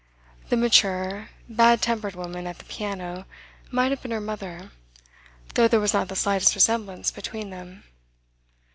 The mature, bad tempered woman at the piano might have been her mother, though there was not the slightest resemblance between them.